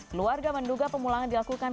keluarga menduga pemulangan dilakukan